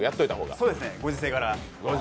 そうですね、ご時世柄。